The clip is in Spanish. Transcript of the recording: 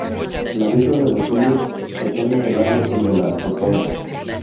La vida de los uros, depende del lago y de la totora.